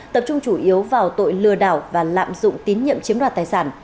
tập trung chủ yếu vào tội lừa đảo và lạm dụng